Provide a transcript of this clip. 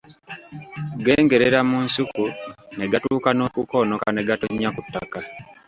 Gengerera mu nsuku ne gatuuka n'okukoonoka ne gatonnya ku ttaka.